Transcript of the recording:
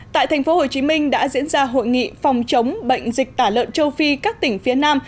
tại thành phố hồ chí minh đã diễn ra hội nghị phòng chống bệnh dịch tả lợn châu phi các tỉnh phía nam